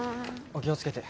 お気を付けて。